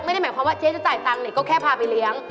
ไม่ได้หมายความว่าเจ๊จะจ่ายตังค์เนี่ยก็แค่พาไปเลี้ยง